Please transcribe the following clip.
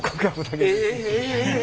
え！